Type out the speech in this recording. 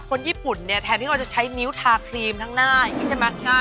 คนญี่ปุ่นเนี่ยแทนที่เราจะใช้นิ้วทาครีมข้างหน้าอย่างนี้ใช่ไหม